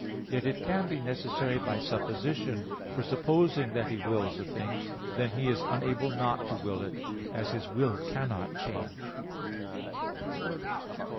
Yet it can be necessary by supposition, for supposing that He wills a thing, then He is unable not to will it, as His will cannot change.